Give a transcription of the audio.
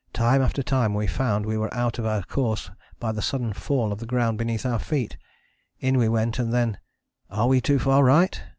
Time after time we found we were out of our course by the sudden fall of the ground beneath our feet in we went and then "are we too far right?"